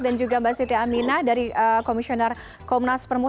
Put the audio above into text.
dan juga mbak siti amina dari komisioner komnas permus